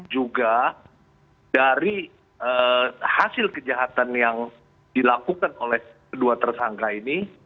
juga dari hasil kejahatan yang dilakukan oleh kedua tersangka ini